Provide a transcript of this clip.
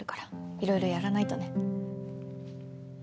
いろいろやらないとね。